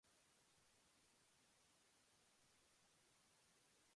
One of the key artists of the Italian Renaissance was Leonardo da Vinci.